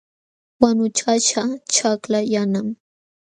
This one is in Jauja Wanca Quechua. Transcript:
Wanuchaśhqa ćhakla yanam.